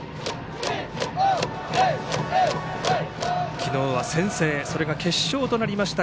昨日は先制それが決勝となりました